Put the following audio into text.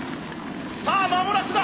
さあ間もなくだ！